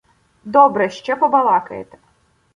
— Добре, ще побалакаєте.